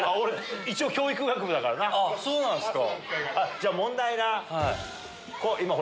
そうなんすか？